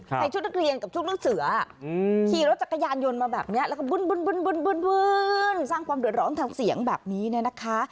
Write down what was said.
ใส่ชุดนักเรียนกับชุดลูกเสือขี่รถจักรยานยนต์มาแบบนี้แล้วก็บึ้นสร้างความเดือดร้อนทางเสียงแบบนี้เนี่ยนะคะ